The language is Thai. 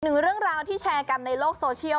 เรื่องราวที่แชร์กันในโลกโซเชียล